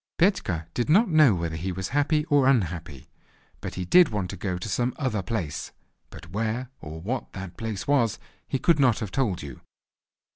Petka did not know whether he was happy or unhappy, but he did want to go to some other place; but where, or what, that place was he could not have told you.